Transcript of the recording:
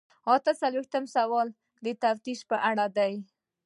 اته څلویښتم سوال د تفتیش په اړه دی.